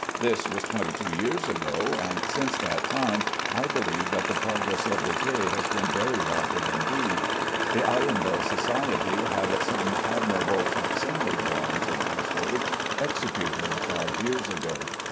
This was twenty two years ago, and since that time I believe that the progress of decay has been very rapid indeed. The Arundel Society had some admirable fac simile drawings of these works executed five years ago.